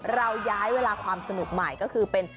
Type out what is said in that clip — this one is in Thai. เราย้ายเวลาความสนุกใหม่ก็คือเป็น